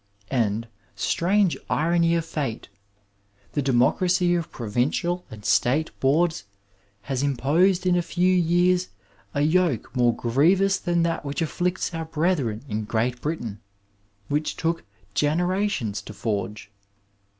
And, strange irony of fate! the democracy of Provincial and State Boards has imposed in a few years a yoke more grievous than that which afflicts our brethren in Qreat Britain, which took generations to forge.